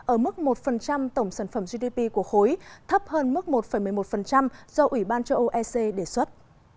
ở mức một tổng sản phẩm gdp của khối thấp hơn mức một một mươi một do ủy ban châu âu ec đề xuất